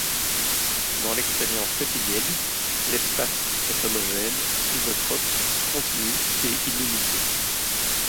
Dans l'expérience quotidienne, l'espace est homogène, isotrope, continu et illimité.